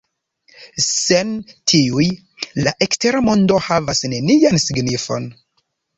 Sen tiuj, la ekstera mondo havas nenian signifon.